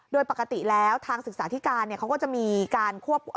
โดยปกติแล้วทางศึกษาธิการเขาก็จะมีการควบ